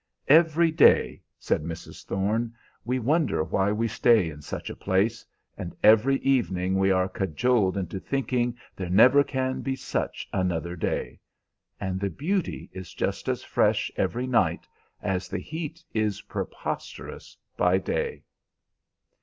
"Every day," said Mrs. Thorne, "we wonder why we stay in such a place, and every evening we are cajoled into thinking there never can be such another day. And the beauty is just as fresh every night as the heat is preposterous by day."